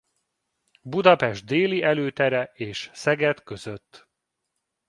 Budapest déli előtere és Szeged között.